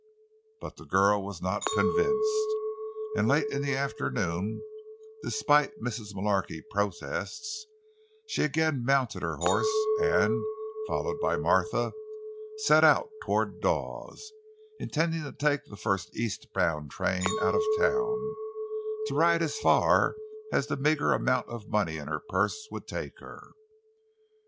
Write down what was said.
But the girl was not convinced; and late in the afternoon, despite Mrs. Mullarky's protests, she again mounted her horse and, followed by Martha, set out toward Dawes, intending to take the first east bound train out of the town, to ride as far as the meager amount of money in her purse would take her.